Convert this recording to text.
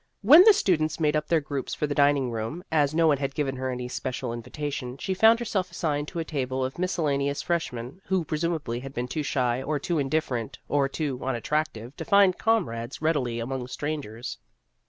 When the students made up their groups for the dining room, as no one had given her any special invi tation, she found herself assigned to a table of miscellaneous freshmen, who pre sumably had been too shy, or too indiffer ent, or too unattractive, to find comrades readily among strangers.